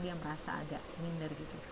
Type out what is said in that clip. dia merasa agak minder gitu